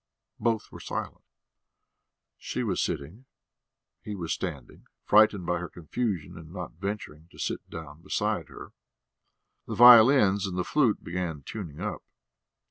Both were silent. She was sitting, he was standing, frightened by her confusion and not venturing to sit down beside her. The violins and the flute began tuning up.